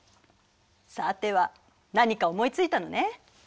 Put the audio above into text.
さては何か思いついたのね？